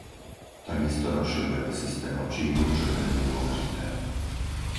Takisto rozširujeme systém o Čínu, čo je veľmi dôležité.